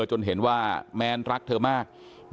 จนเห็นว่าแมนรักเธอมาก